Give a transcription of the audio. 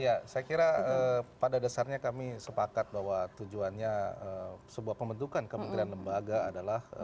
ya saya kira pada dasarnya kami sepakat bahwa tujuannya sebuah pembentukan kementerian lembaga adalah